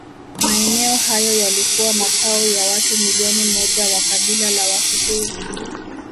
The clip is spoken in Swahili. Maeneo hayo yalikuwa makao ya watu milioni moja wa kabila la Wakikuyu